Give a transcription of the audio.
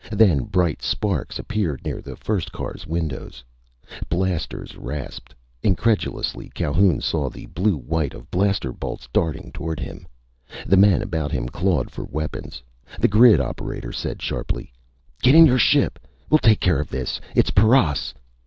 Then bright sparks appeared near the first car's windows. Blasters rasped. Incredulously, Calhoun saw the blue white of blaster bolts darting toward him. The men about him clawed for weapons. The grid operator said sharply: "Get in your ship! We'll take care of this! It's paras!"